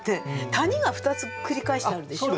「谷」が２つ繰り返してあるでしょう。